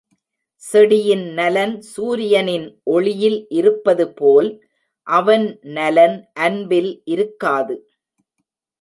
செடியின் நலன் சூரியனின் ஒளியில் இருப்பதுபோல், அவன் நலன் அன்பில் இருக்காது.